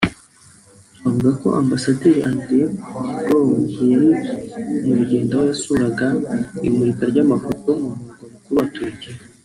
avuga ko ambasaderi Andrei Karlov yari mu rugendo aho yasuraga imurika ry'amafoto mu murwa mukuru wa Turukiya